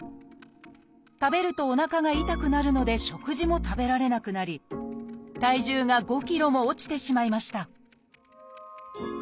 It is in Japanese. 食べるとおなかが痛くなるので食事も食べられなくなり体重が５ｋｇも落ちてしまいました